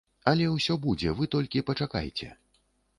Але ўсё будзе, вы толькі пачакайце!